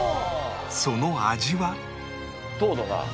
その味は